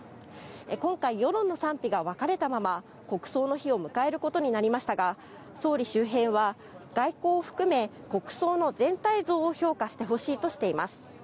今回、世論の賛否が分かれたまま国葬の日を迎えることになりましたが総理周辺は外交を含め国葬の全体像を評価してほしいとしています。